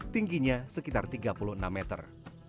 tingginya sekitar tiga puluh enam meter